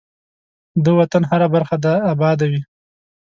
ده وطن هره برخه دی اباده وی.